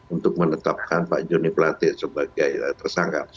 untuk menetapkan pak johnny kulete sebagai tersangka